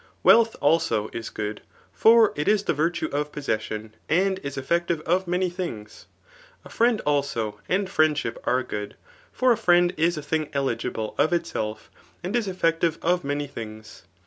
Wealth, also, is good ; for it is the virtue of possession, and is eflfective of many things, A friend, also, and friendship are good ; for a friend is a thing eligible of itself, and is effective of many things.